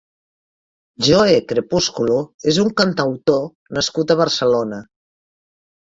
Joe Crepúsculo és un cantautor nascut a Barcelona.